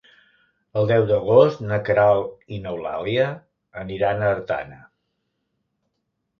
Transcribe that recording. El deu d'agost na Queralt i n'Eulàlia aniran a Artana.